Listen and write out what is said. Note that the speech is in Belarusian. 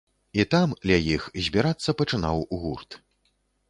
І там, ля іх, збірацца пачынаў гурт.